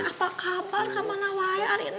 apa kabar sama nawari ari neng